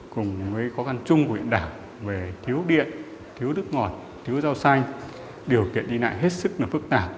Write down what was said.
cùng với khó khăn chung của huyện đảo về thiếu điện thiếu nước ngọt thiếu rau xanh điều kiện đi lại hết sức phức tạp